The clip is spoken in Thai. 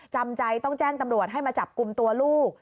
จำใจต้องแจ้งตำรวจให้มาจับกลุ่มตัวลูก